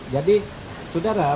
jadi sudara udah